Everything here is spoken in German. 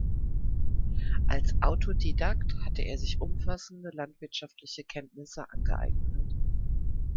Als Autodidakt hatte er sich umfassende landwirtschaftliche Kenntnisse angeeignet.